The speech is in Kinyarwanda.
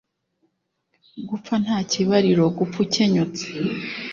gupfa nta kibariro: gupfa ukenyutse